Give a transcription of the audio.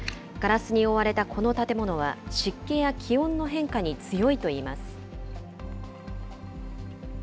ガラスに覆われたこの建物は、湿気や気温の変化に強いといいます。